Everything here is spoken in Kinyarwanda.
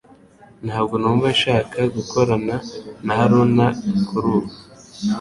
Ntabwo numva nshaka gukorana na Haruna kurubu